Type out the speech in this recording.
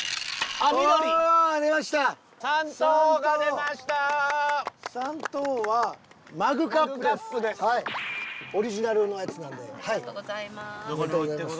ありがとうございます。